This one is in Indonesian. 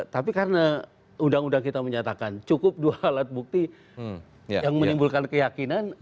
tapi karena undang undang kita menyatakan cukup dua alat bukti yang menimbulkan keyakinan